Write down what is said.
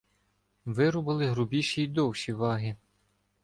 Вирубали грубіші і довші "ваги".